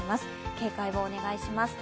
警戒をお願いします。